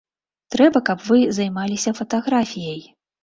Трэба, каб вы займаліся фатаграфіяй.